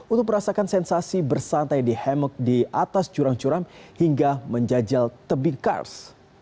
untuk merasakan sensasi bersantai di hammock di atas curang curam hingga menjajal tebing kars